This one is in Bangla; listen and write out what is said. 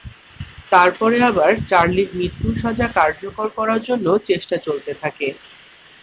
তারপরে আবার চার্লির মৃত্যুর সাজা কার্যকর করার জন্য চেষ্টা চলতে থাকে।